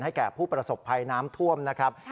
แก่ผู้ประสบภัยน้ำท่วมนะครับ